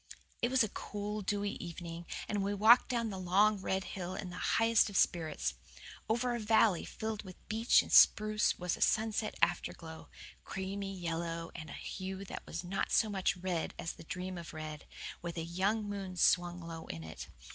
It was a cool, dewy evening, and we walked down the long, red hill in the highest of spirits. Over a valley filled with beech and spruce was a sunset afterglow creamy yellow and a hue that was not so much red as the dream of red, with a young moon swung low in it.